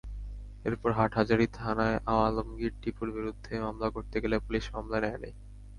এরপর হাটহাজারী থানায় আলমগীর টিপুর বিরুদ্ধে মামলা করতে গেলে পুলিশ মামলা নেয়নি।